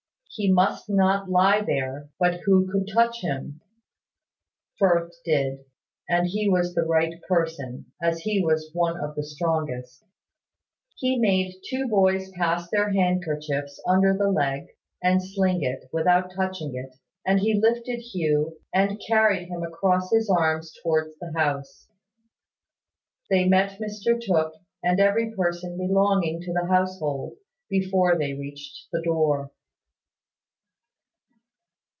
He must not lie there; but who could touch him? Firth did; and he was the right person, as he was one of the strongest. He made two boys pass their handkerchiefs under the leg, and sling it, without touching it; and he lifted Hugh, and carried him across his arms towards the house. They met Mr Tooke, and every person belonging to the household, before they reached the door.